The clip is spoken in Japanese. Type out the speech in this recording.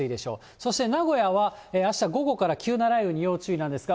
そして名古屋は、あした午後から急な雷雨に要注意なんですが、